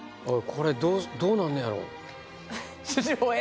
これどうなんねやろ？